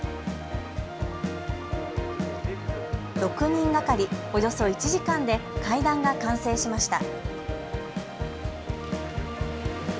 ６人がかり、およそ１時間で階段が完成しました。